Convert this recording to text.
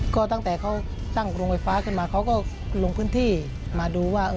ก็ตั้งแต่เขาตั้งโรงไฟฟ้าขึ้นมาเขาก็ลงพื้นที่มาดูว่า